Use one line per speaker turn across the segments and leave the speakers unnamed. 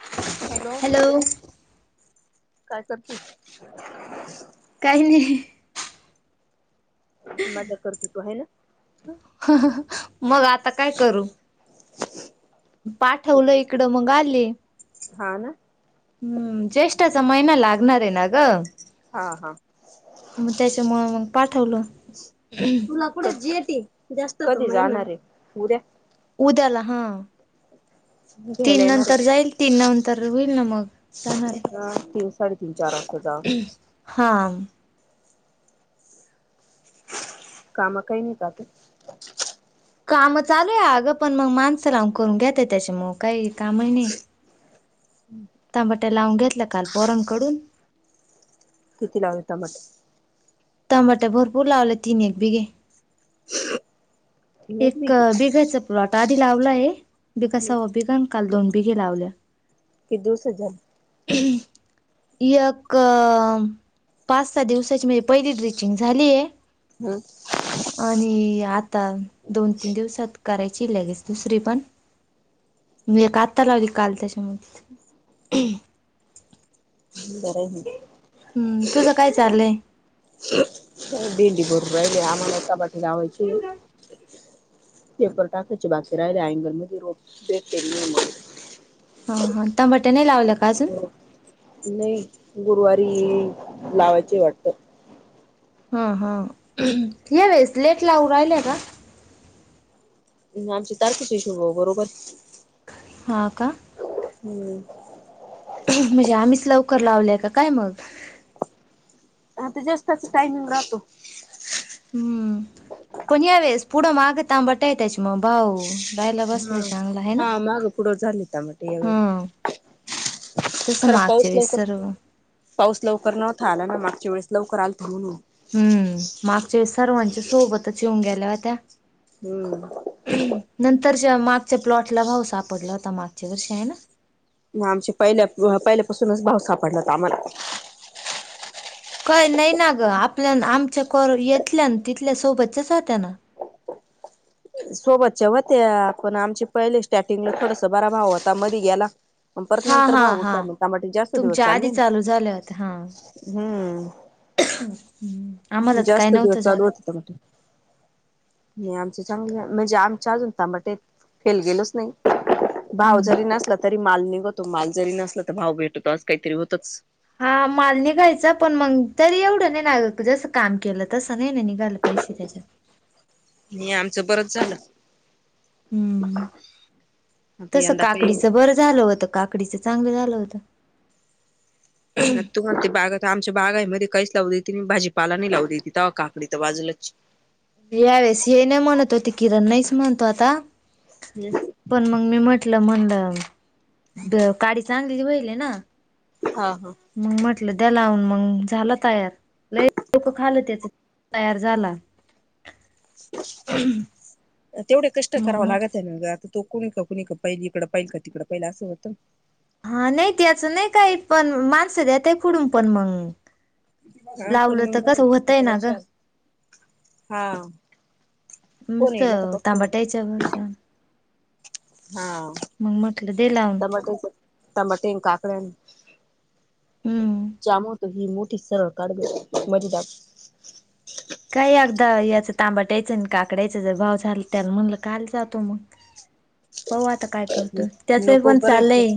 Hello.
Hello
काय करती?
काय नाही.
मजा करती तो हाय ना?
हा हा, मग आता काय करू? पाठवलं इकडं, मग आले.
हा ना
हम्म, ज्येष्ठाचा महिना लागणार आहे ना गं.
हा हा.
मग त्याच्यामुळं मग पाठवलं. [unintelligible]
तुला कधी जाणारे? उद्या
उद्याला हां.
घ्यायला
तीन
येणार
नंतर जाईल, तीन नंतर होईल ना मग. जाणार आहे.
अ तीन, साडेतीन चार वाजता जाव.
हां.
कामं काही नाहीत आता.
काम चालू आहे अगं. पण मग माणसं लावून करून घेते, त्याच्यामु काही कामही नाही. तांबाटे लावून घेतले काल पोरांकडून.
किती लावले टमाटे?
तांमाटे भरपूर लावलेत, तीन एक बीघे. एक बिघयचा प्लॉट आधी लावला आहे. बीघ सव्वा बिघाण काल दोन बिघे लावलं.
किती दिवसात झालं?
[unintelligible] यक पाच सहा दिवसाची, म्ह पहिली ड्रिचिंग झालीये.
हम्म.
आणि आता दोन तीन दिवसात करायची, लगेच दुसरीपण. मी एक आता लावली, काल त्याच्या मधली.
बर हाय मग.
हम्म, तुझं काय चाललंय?
[unintelligible] भेंडी भरून राहिले, आम्हाला [unintelligible] लावायची. पेपर टाकायची बाकी राहिल्या अँगल मध्ये रोप [unintelligible]
हा हा, टमाटे नाही लावलं का अजून?
नाही, गुरुवारी लावायचे आहे वाटतं.
हा हा, यावेळेस लेट लावून राहिले का?
आमची तारखीच हिशोबाव बरोबर.
हा का.
हम्म.
म्हणजे आम्हीच लवकर लावलंय, का काय मग?
आता जस्टाच टायमिंग राहतो.
हम्म, पण यावेेळेस पुढं मागं तांबाटी हाय त्याची मग भाव राहिला
हा
बसले, चांगलं हाय ना?
हा माग पुढं झाले टमाटे यावेळी
हम्म. तसं
खरं
मागच्या
पाऊस
वेळेस
लवकर
सर्व
पाऊस लवकर नव्हता आला ना. मागच्या वेळेस लवकर आलता म्हणून.
हम्म, मागच्या वेळी सर्वांचे सोबतच येऊन गेल्या होत्या.
हम्म.
नंतरच्या मागच्या प्लॉटला भाव सापडला होता, मागच्या वर्षी हाय ना?
म आमचे पहिल्या, पहिल्यापासूनच भाव सापडला होता आम्हाला.
काय नाही ना ग. आपल्यान आमच्या कोर येथल्यान तिथल्या, सोबतचेच होत्याना.
सोबतच्या होत्या पण आमची पहिले स्टार्टिंगला थोडसा बरा भाव होता मध्ये गेला. मग परत
हा
नंतर
हा
भाऊ उठला
हा
म्हण टमाटे जास्त दिवस
तुमच्या
चालले.
आधी चालू झाल्या होत्या हा. हम्म आम्हाला
हम्म
तर काय
जास्त दिवस
नव्हतं
चालू
झालं
होते टमाटर. नाही आमचे चांगल्या म्हणजे आमच्या अजून तांबाटे आहेत, फेल गेलोच नाहीत. भाव
हम्म.
जरी नसला तरी माल निघतो. माल जरी नसला, तरी भाव भेटतो. असं काहीतरी होतच.
हा माल निघायचा, पण मग तरी एवढं नाही ना गं. जसं काम केलं, तसं नाही ना निघाल पैसे त्याच्यात.
नी आमचं बरच झालं.
हम्म
आता
तसं
यंदा
काकडीच
काही
बरं झालं होतं काकडीचं चांगलं झालं होतं.
हा तु म्हणते बागात आमच्या बागा आहे मध्ये काहीच लावू देतील म भाजीपाला नाही लावू देती तेव्हा काकडी तर बाजूलाच
यावेळेस हे नाही म्हणत होते किरण नाहीच म्हणतो आता?
[unintelligible]
पण मग मी म्हटलं म्हणलं काडी चांगली वहिले ना.
हा हा.
मग म्हटलं तद्या लावून मंग झाला तयार लई लोक खालं त्याच्यात. तयार झाला.
तेवढे कष्ट
मग
कराव
म्हटलं
लागत आहे ना गं. तो कोणी का कोणी का पहिल इकडं पाहिल का तिकडं पाहिलं असं होतं.
हा नाही त्याचं नाही काही पण माणसं देतय खुडून पण मंग.
हा पण मंग बरं
ना ग
आहे [inaudible] हा. कोण
मस्त
येईल तर फोन
टामटायचा भाषा
हा
दे लावून
टमाटेचा टमाटें काकड्यान
हम्म
जाम होतो ही मोठी सरळ काढ गं मजीदा
काही अगदा याचा टामबाट्यायचं आणि काकडायाचा जर भाव झाल त्याला म्हणलं काल जातो मग पाहुं आता काय करतोय त्याचे
नको
पण
बरं आहे तेच
चाललय.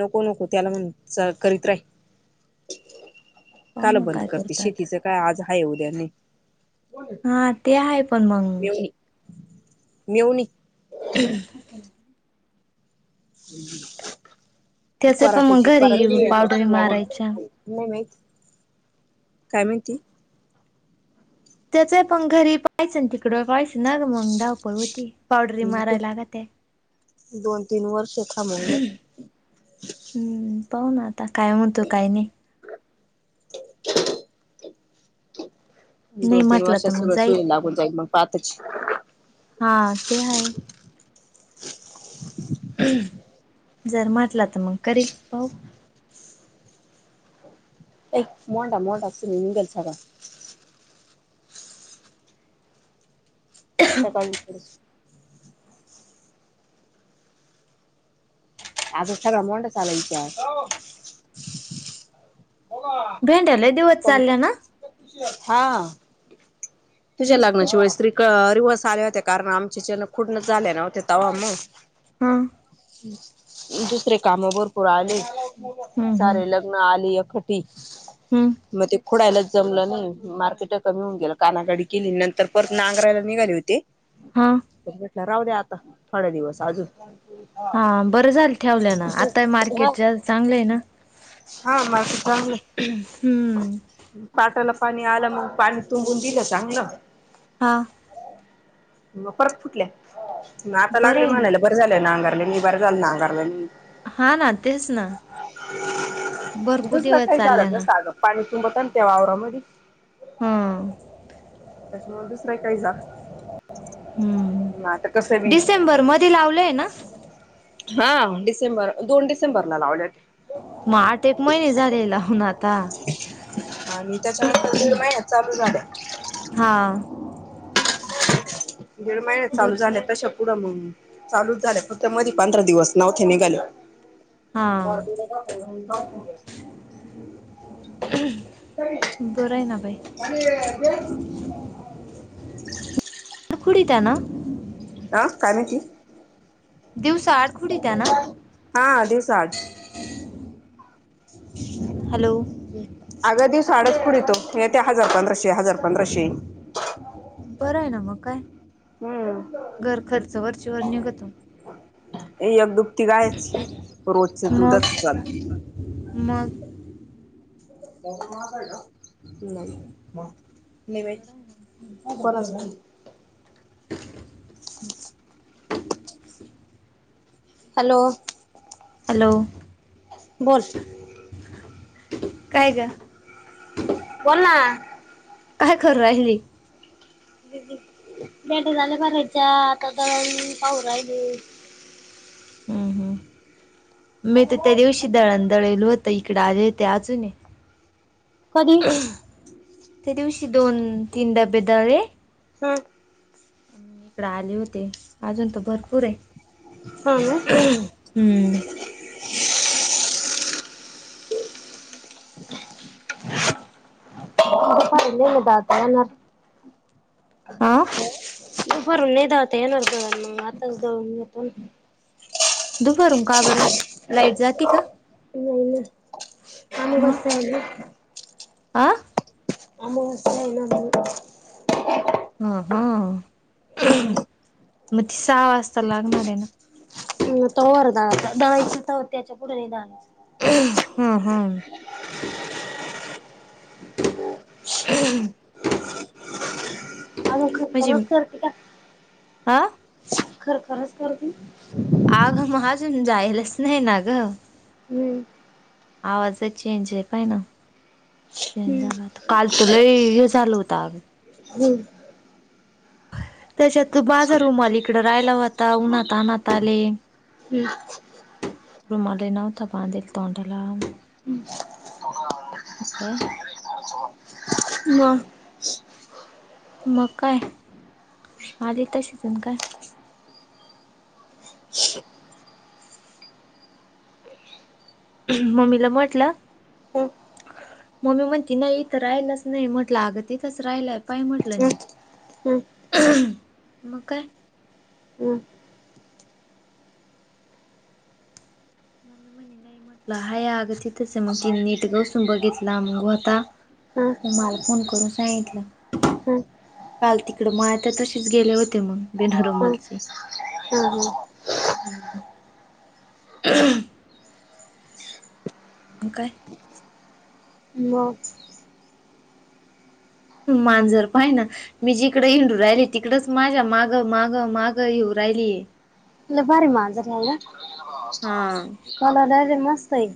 नको नको त्याला म्हण सा करीत राही
पाहू
कालं
ना
बंद
काय
करते
करतो आता
शेतीचं काय आज हाय उद्या नाय.
हा ते आहे पण मंग.
मेयोनी
ह त्याचे पण मग
कराटेची करा. [unintelligible]
घरी पावडरी मारायच्या.
नाय माहित काय माहिती?
त्याचा आपण घरी पाहिचंय ना तिकडं पाहि ना गं मंग धाव पड होती पावडरी माराय लागत आहे.
मंग तीन वर्ष खामांगे
हम्म पाहू ना आता काय म्हणतो काही नाय.
दोन
नाही
तीन
म्हटलं
वर्षात
तर मग
सगळं
जाईल.
सुई लागून जाईल मग पातच
हा ते आहे. जर म्हटला तर मग करील पाहू.
ऐ मोंडा मोंडा असं निगल सारा आता काही करस आता सगळं मोंडा चालच्या.
भेंड्या लई दिवस चालल्या ना?
हा तुझ्या
मस्त
लग्नाची वेळा
हा
स्त्री कार रिवर्स आले होते कारण आमचे चनक खुडण झाले न होते तेव्हा मग
हां.
दुसरे कामं भरपूर आलेच,
हम्म
सारे लग्न आली एखट टी
हम्म
मग ते खोडायला जमलं नाही मार्केट कमी होऊन गेलं. कानागाडी केली, नंतर परत नांगरायला निघाले होते.
हा
[unintelligible] राहू द्या आता थोड दिवस अजून.
हा बरं झाल ठेवल्या ना आताही
हा
मार्केट जरा चांगलं आहे ना.
हा माझ चांगलं हाय.
हम्म
पाटाला पाणी आलं मग पाणी तुंबून दिलं चांगलं.
हा.
मग परत फुटल्या म आता
बरं
लागले
आहे ना
म्हणायला बरं झालंय ना अंगारले मी, बरं झालं ना अंगारलं मी.
हा ना तेच ना
मी
भरपूर
दुसरं
दिवस
काही झालं
चालल्या ना.
नसतं अगं पाणी तुंबतन आणि त्या वावरामध्ये
हं.
त्याच्यामुळे दुसरं काही जा
हम्म.
कसं बी
डिसेंबरमधी लावलंय ना?
हा डिसेंबर दोन डिसेंबरला लावल्यात्या.
मग आठ एक महिने झाले लावुन आता.
आणि त्याच्यानंतर दीड महिन्यांत चालू झाल्या.
हा.
दीड महिन्यात चालू
बरोबर
झाले तशा पुढं मग चालूच झाले फक्त मधी पंधरा दिवस न्हवते निघाले. [inaudible]
हा [inaudible] बरं आहे ना
[unintelligible]
[unintelligible] खुडीत्या ना?
हा काय म्हणती?
दिवसा आडखुडी त्या ना
हा दिवसाआड.
हॅलो.
अग दिवसाआडच खउडइतओ. येते हजार पंधराशे, हजार पंधराशे.
बरं आहे ना मग काय.
हम्म
घर खर्च वरचे वर निघतो.
एक दुभती गाय रोजच दुधच
मग
हाय चालू.
मग
[unintelligible] नाही माहीती. कोणाच? हॅलो.
हॅलो,
बोल
काय ग?
बोल ना.
काय करू राहिली?
[unintelligible] झाले करायच्या आता दळण पाहू राहिली.
हम्म, हम्म. मी तर त्या दिवशी दळण दळीलो होत आता इकडे आले ते अजून आहे.
कधी?
त्या दिवशी दोन, तीन डबे दळले.
हम्म.
मी इकडे आले होते अजून तर भरपूर आहे.
हा ना?
हम्म.
[inaudible] पाहिले ना दाता येणार
हा
भरून नाही दळता येणार दळण मग आताच दळून नेतो‌ ना.
दुपारहून का बरं, लाईट जाती का?
नाही ना काम
मग
[inaudible]
आ
[unintelligible] हाय ना मग
हा हा मग ती सहा वाजता लागणार आहे ना.
ह तवर दळायचं दळायचं तर त्याच्या पुढं नाही दळायचं.
हा हा.
[inaudible]
[inaudible]
अग काय खरंच करती काय?
आ?
खरं खरंच करती.
आग मग आजून जायलाच नाही ना ग.
हम्म.
आवाजच चेंज आहे पाहिना. तेन
हम्म
दागा आता काल तुलाही हे झाल होता अगं.
हम्म.
त्याच्यात तू माझा रूमाल इकड रायला होता उन्हातानात आले.
हम.
रुमालही नव्हता बांधलेला तोंडाला
हम्म
काय
मग.
मग काय आले तसेच आण काय?
[inaudible]
मम्मीला म्हटलं
हम्म
मम्मी म्हणती नाही इथं राहिलच नाही म्हटलं अगं तिथंच राहिलंय पाय म्हटलं निट.
हम्म हम्म
मग काय?
हम्म
मम्मी म्हणे नाही म्हटलं हाय अग तिथच आगं मग तिन नीट गवसून बघितला मगं होता.
हा.
मग मला फोन करून सांगितलं
हम्म
काल तिकडं मळ्यातही तशीच गेले होते मग. बिना
हम्म
रूमालची.
हम्म हम्म
[inaudible] आणि काय?
मग
मांजर पाय ना. मी जिकडं हिंडू राहिली तिकडचं माझ्या मागं माग माग येऊ राहिलीयं.
भारी मांजर आहे ना
हा
त्याला कलर मस्त आहे.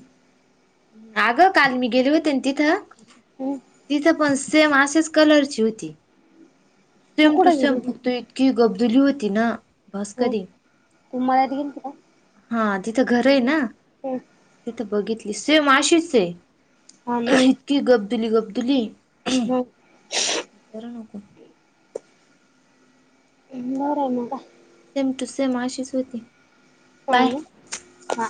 अगं काल मी गेली होती ना तिथं
हम्म
तिथं पण सेम अशेच कलरची होती.
तू
सेम टू
कुठे गेली
सेम
होती?
फक्त इतकी गब्दुली होती ना भास कधी
तु मळ्यात गेलती का?
हा तिथं घर आहे ना
हं
तिथं बघितली सेम अशीच आहे.
हा ना.
गब्दुली गब्दुली
हं
विचारू नको.
बरं आहे मग
सेम टू सेम अशीच होती
हा
बाय.
ना. हा.